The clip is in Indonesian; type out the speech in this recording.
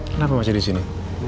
kenapa masyar disini